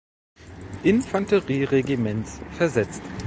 Infanterieregiments versetzt.